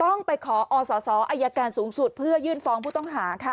ต้องไปขออศอายการสูงสุดเพื่อยื่นฟ้องผู้ต้องหาค่ะ